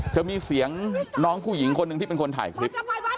จะมีเสียงน้องผู้หญิงคนหนึ่งที่เป็นคนถ่ายคลิป